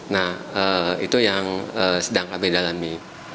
nah itu yang sedang kami dalami